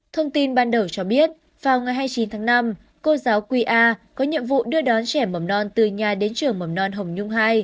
thông tin ban đầu cho biết vào ngày hai mươi chín tháng năm cô giáo qa có nhiệm vụ đưa đón trẻ mầm non từ nhà đến trường mầm non hồng nhung hai